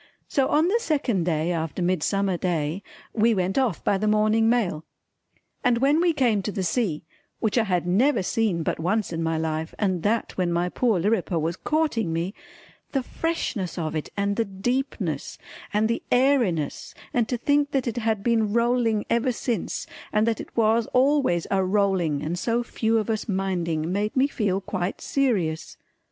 So on the second day after Midsummer Day we went off by the morning mail. And when we came to the sea which I had never seen but once in my life and that when my poor Lirriper was courting me, the freshness of it and the deepness and the airiness and to think that it had been rolling ever since and that it was always a rolling and so few of us minding, made me feel quite serious.